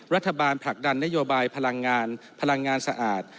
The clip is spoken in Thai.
รัฐบาลผลักดันนโยบายพลังงานพลังงานสะอาด